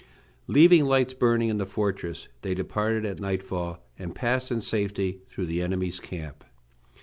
Leaving lights burning in the fortress, they departed at nightfall, and passed in safety through the enemy's camp.